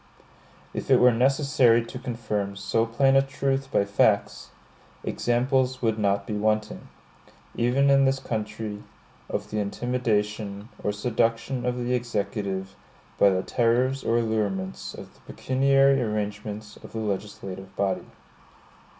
If it were necessary to confirm so plain a truth by facts, examples would not be wanting, even in this country, of the intimidation or seduction of the Executive by the terrors or allurements of the pecuniary arrangements of the legislative body.